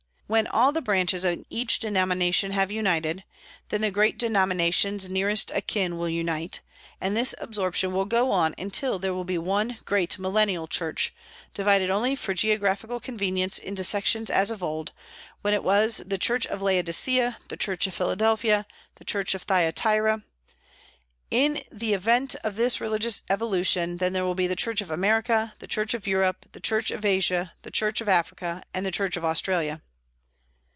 When all the branches in each denomination have united, then the great denominations nearest akin will unite, and this absorption will go on until there will be one great millennial Church, divided only for geographical convenience into sections as of old, when it was the Church of Laodicea, the Church of Philadelphia, the Church of Thyatira. In the event of this religious evolution then there will be the Church of America, the Church of Europe, the Church of Asia, the Church of Africa, and the Church of Australia.